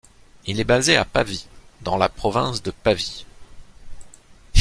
Il est basé à Pavie dans la province de Pavie.